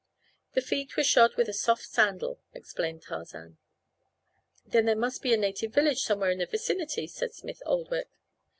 "The feet were shod with a soft sandal," explained Tarzan. "Then there must be a native village somewhere in the vicinity," said Smith Oldwick.